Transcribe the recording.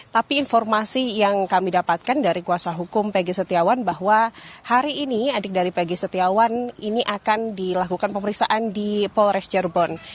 tapi informasi yang kami dapatkan dari kuasa hukum peggy setiawan bahwa hari ini adik dari pegi setiawan ini akan dilakukan pemeriksaan di polres jerbon